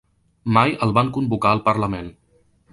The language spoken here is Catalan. Mai el van convocar al parlament.